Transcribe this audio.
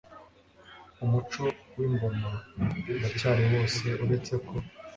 umuco w'ingoma uracyari wose uretse ko